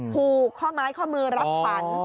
หูข้อม้ายข้อมือรับปัน